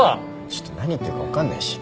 ちょっと何言ってるか分かんないし。